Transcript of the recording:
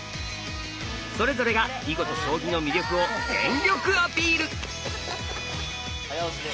それぞれが囲碁と将棋の魅力を全力アピール！